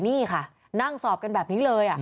นี่ค่ะนั่งสอบกันแบบนี้เลย